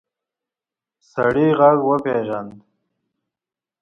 سړی غږ وپېژاند.